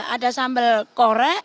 ada sambel kore